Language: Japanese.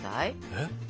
えっ？